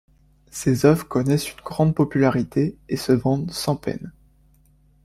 Ses œuvres connaissent une grande popularité et se vendent sans peine.